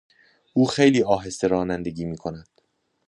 او خیلی آهسته رانندگی میکند.